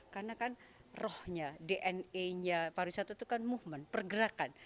karena kan rohnya dna nya pariwisata itu kan movement pergerakan